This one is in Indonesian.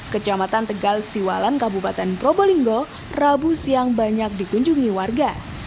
kecamatan tegal siwalan kabupaten probolinggo rabu siang banyak dikunjungi warga